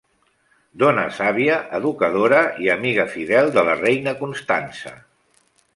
Dona sàvia, educadora i amiga fidel de la reina Constança.